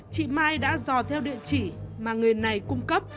chị mai đã dò theo địa chỉ mà người này cung cấp